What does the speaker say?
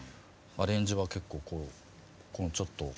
アレンジは結構ちょっと。